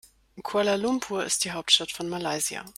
Kuala Lumpur ist die Hauptstadt von Malaysia.